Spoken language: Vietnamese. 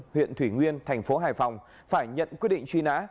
công an huyện thủy nguyên thành phố hải phòng phải nhận quy định truy nã